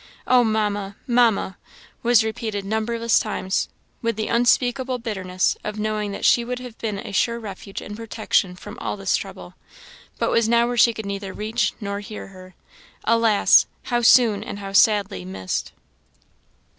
"Oh, Mamma! Mamma!" was repeated numberless times, with the unspeakable bitterness of knowing that she would have been a sure refuge and protection from all this trouble, but was now where she could neither reach nor hear her. Alas! how soon and how sadly missed!